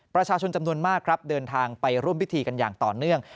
ประชาชนจำนวนมากครับเดินทางไปร่วมพิธีกันอย่างต่อเนื่อง